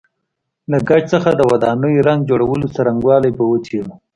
له ګچ څخه د ودانیو رنګ جوړولو څرنګوالی به وڅېړو.